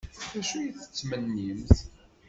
D acu ay tettmennimt?